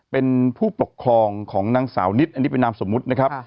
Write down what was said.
เป็นผู้ปกครองของนางสาวนิดอันนี้เป็นนามสมมุตินะครับ